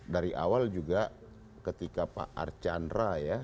dari awal juga ketika pak archandra ya